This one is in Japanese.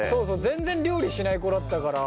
全然料理しない子だったから。